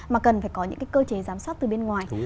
mà cần phải có những cái cơ chế giám sát từ bên ngoài